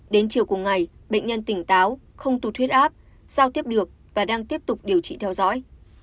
đến chiều cùng ngày bệnh nhân tỉnh táo không tụt huyết áp giao tiếp được và đang tiếp tục điều trị theo dõi